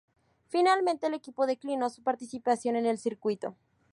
Finalmente el equipo declinó su participación en el circuito.